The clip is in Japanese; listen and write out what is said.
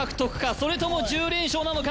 それとも１０連勝なのか？